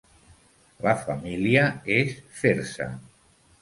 La família és fer-se.